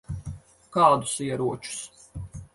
Kādus ieročus?